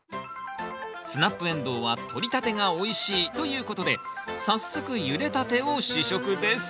スナップエンドウはとりたてがおいしいということで早速ゆでたてを試食です